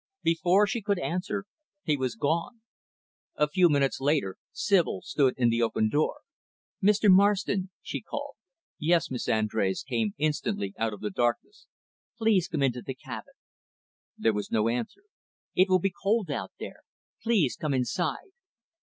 Before she could answer, he was gone. A few minutes later, Sibyl stood in the open door. "Mr. Marston," she called. "Yes, Miss Andrés," came, instantly, out of the darkness. "Please come into the cabin." There was no answer. "It will be cold out there. Please come inside."